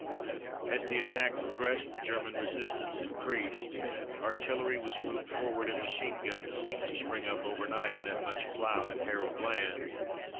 As the attack progressed the German resistance increased. Artillery was moved forward and machine guns seemed to spring up overnight in that much ploughed and harrowed land.